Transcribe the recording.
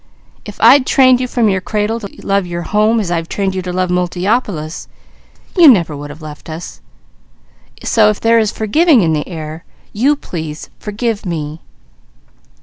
If I'd trained you from your cradle to love your home, as I've trained you to love Multiopolis, you never would have left us. So if there is forgiving in the air, you please forgive me.